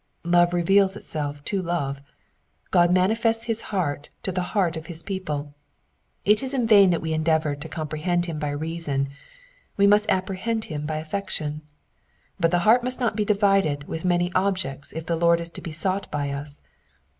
Love reveals itself to love : God manifests his heart to the heart of his people. It is in vain that we endeavour to com Erehend him by reason ; we must apprehend him by affection. But the eart must not be divided with many objects if the Lord is to be sought by us.